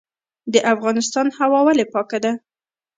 د افغانستان هوا ولې پاکه ده؟